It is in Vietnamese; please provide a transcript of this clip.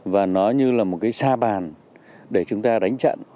và nó như là một cái sa bàn để chúng ta đánh trận